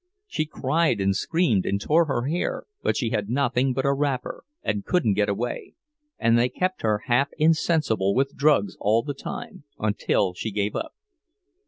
She cried, and screamed, and tore her hair, but she had nothing but a wrapper, and couldn't get away, and they kept her half insensible with drugs all the time, until she gave up.